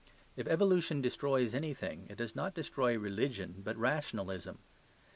If evolution destroys anything, it does not destroy religion but rationalism.